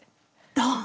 ドン！